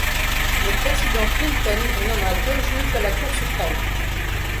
Le président Clinton nomma deux juges à la Cour suprême.